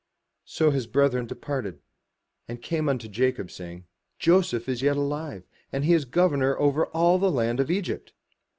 So his brethren departed: and came unto Jacob, saying, ''Joseph is yet alive, and he is governor over all the land of Egypt.